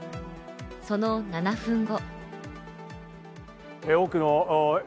その７分後。